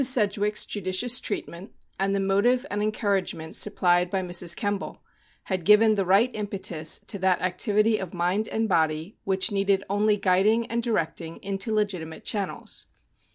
Sedg wick's judicious treatment, and the motive and encouragement supplied by Mrs. Kemble, had given the right impetus to that activity of mind and body, which needed only guiding and directing into le gitimate channels.